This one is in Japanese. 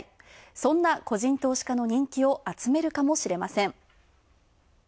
そんな個人投資家の人気を集めるかもしれません。